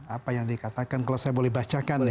apa yang dikatakan kalau saya boleh bacakan ya